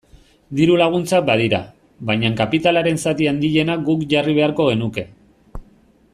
Diru-laguntzak badira, baina kapitalaren zati handiena guk jarri beharko genuke.